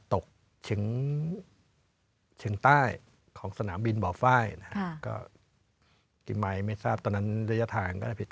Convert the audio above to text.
ตกถึงเชียงใต้ของสนามบินบ่อไฟล์นะครับก็กี่ไมค์ไม่ทราบตอนนั้นระยะทางก็ได้ผิด